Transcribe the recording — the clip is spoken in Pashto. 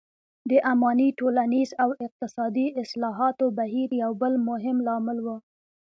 د اماني ټولنیز او اقتصادي اصلاحاتو بهیر یو بل مهم لامل و.